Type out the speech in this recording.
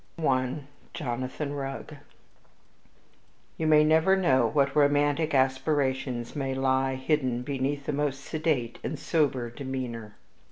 I Jonathan Rugg You may never know what romantic aspirations may lie hidden beneath the most sedate and sober demeanor.